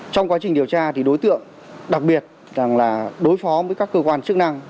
trong quá trình điều tra thì đối tượng đặc biệt rằng là đối phó với các cơ quan chức năng